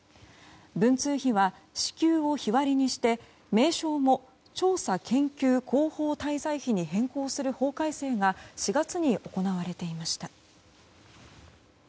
文通費は支給を日割りにして名称も調査研究広報滞在費に変更する法改正が４月に行われていました。